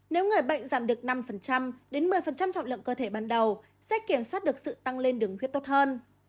nếu người bệnh giảm được năm đến một mươi trọng lượng cơ thể ban đầu sẽ kiểm soát được sự tăng lên đường huyết tốt hơn